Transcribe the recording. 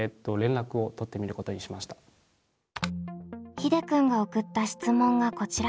ひでくんが送った質問がこちら。